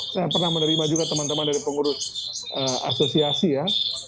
saya pernah menerima juga teman teman dari pengurus asosiasi ya